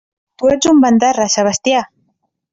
Tu ets un bandarra, Sebastià!